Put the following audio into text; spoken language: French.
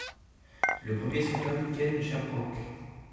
Le premier se nomme Ken Shamrock.